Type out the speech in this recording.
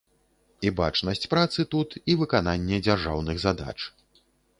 І бачнасць працы тут, і выкананне дзяржаўных задач.